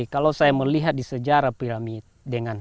kalau saya melihat di sejarah pirami dengan